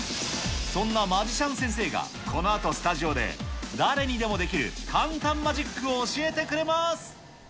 そんなマジシャン先生がこのあとスタジオで、誰にでもできる簡単マジックを教えてくれます。